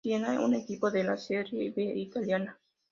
Siena, un equipo de la Serie B italiana.